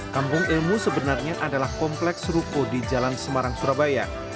kampung ilmu sebenarnya adalah kompleks ruko di jalan semarang surabaya